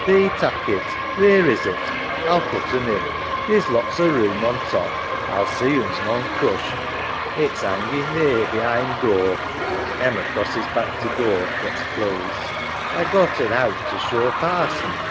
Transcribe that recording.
Thee tak' it. Wheer is it? A'U put un in. Theer's lots o' room on top. A'U see un's noan crushed. SARAH. It's hanging theer behind door. {Emma crosses back to door, gets clothes) A got un out to show Parson.